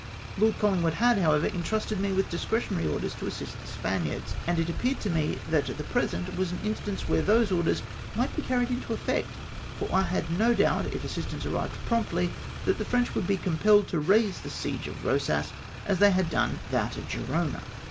Lord CoUingwood had, however, entrusted me with discretionary orders to assist the Spaniards, and it ap peared to me that the present was an instance where those orders might be carried into effect, for I had no doubt, if assistance arrived promptly, that the French would be compelled to raise the siege of Eosas, as they had done that of Gerona.